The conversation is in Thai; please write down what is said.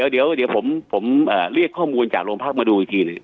เดี๋ยวผมเรียกข้อมูลจากโรงพักมาดูอีกทีหนึ่ง